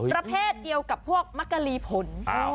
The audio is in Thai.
ประเภทเดียวกับพวกมักกะลีผล